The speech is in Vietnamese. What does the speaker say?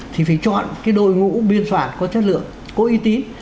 thì phải chọn cái đội ngũ biên soạn có chất lượng có uy tín